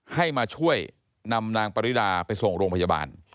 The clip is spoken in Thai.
ให้มาช่วยนำนางปริดาไปส่งโรงพยาบาล